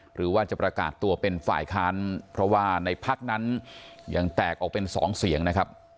หรือว่าจะประกาศตัวเป็นฝ่ายค้านเพราะว่าในพักนั้นยังแตกออกเป็น๒เสียงนะครับ